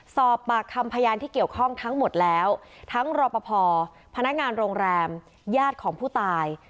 สอบปากคำพยานที่เกี่ยวข้องทั้งหมดแล้วทั้งรอปภพนักงานโรงแรมญาติของผู้ตาย